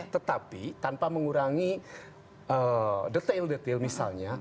tetapi tanpa mengurangi detail detail misalnya